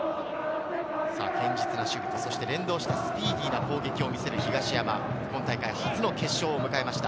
堅実な守備と連動したスピーディーな攻撃を見せる東山、今大会初の決勝を迎えました。